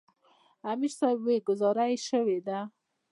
امیر صېب وې " ګذاره ئې شوې ده ـ